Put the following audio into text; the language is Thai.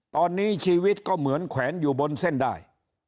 ตอนนี้ชีวิตก็เหมือนแขวนอยู่บนเส้นได้